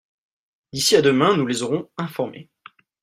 D'ici à demain nous les aurons informés.